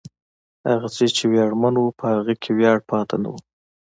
هغه څه چې ویاړمن و، په هغه کې ویاړ پاتې نه و.